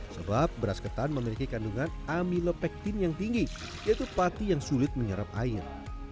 sebab beras ketan memiliki kandungan amilopektin yang tinggi yaitu pati yang sulit menyerap air